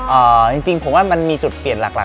เอ่อจริงผมว่ามันมีจุดเปลี่ยนหลักช